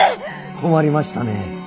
困りましたね。